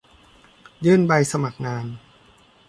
ยื่นใบสมัครงาน